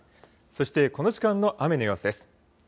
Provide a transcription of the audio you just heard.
そしてこの時間の雨の様子です。